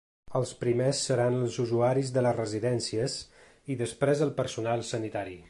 Els primers seran els usuaris de les residències i després el personal sanitari.